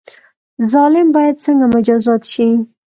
ظالم باید څنګه مجازات شي؟